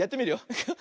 いくよ。